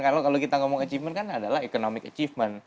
karena kalau kita ngomong achievement kan adalah economic achievement